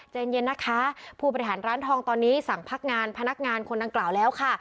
เย็นเย็นนะคะผู้บริหารร้านทองตอนนี้สั่งพักงานพนักงานคนดังกล่าวแล้วค่ะ